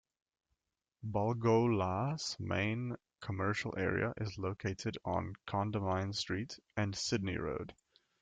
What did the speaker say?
Balgowlah's main commercial area is located on Condamine Street and Sydney Road.